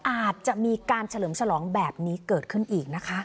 อาจจะมีการเฉลิมฉลองแบบนี้เกิดขึ้นอีกนะคะ